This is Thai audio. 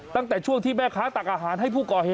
ตั้งแต่ช่วงที่แม่ค้าตักอาหารให้ผู้ก่อเหตุ